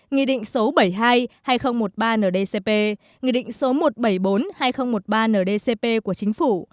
nghị định số bảy mươi hai hai nghìn một mươi ba ndcp nghị định số một trăm bảy mươi bốn hai nghìn một mươi ba ndcp của chính phủ